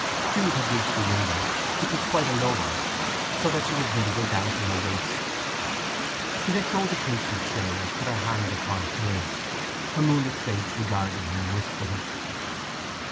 Jude had reached the window, which was quite a low one, so that she was visible down to her waist. She let go the casement stay and put her hand upon his, her moonlit face regarding him wistfully.